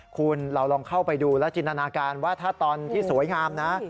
คุณเราลองเข้าไปดูแล้วจินตนาการว่าถ้าตอนที่สวยงามนะ